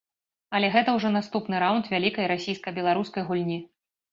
Але гэта ўжо наступны раўнд вялікай расійска-беларускай гульні.